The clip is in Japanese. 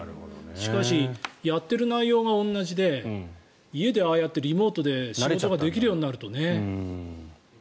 しかし、やっている内容が同じで家でああやってリモートで仕事ができるようになるとね。